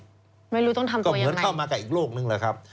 ไม่รู้ต้องทำตัวอย่างไรก็เหมือนเข้ามากับอีกโลกหนึ่งแหละครับ